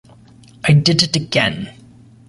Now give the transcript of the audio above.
I Did It Again.